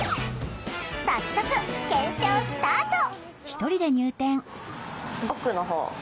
早速検証スタート！